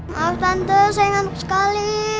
maaf tante saya ingat sekali